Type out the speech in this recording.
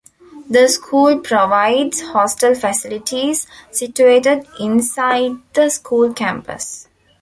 The school provides hostel facilities, situated inside the school campus.